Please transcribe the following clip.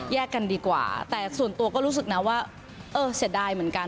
กันดีกว่าแต่ส่วนตัวก็รู้สึกนะว่าเออเสียดายเหมือนกัน